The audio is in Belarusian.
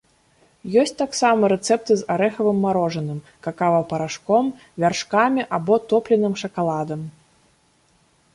Ёсць таксама рэцэпты з арэхавым марожаным, какава-парашком, вяршкамі або топленым шакаладам.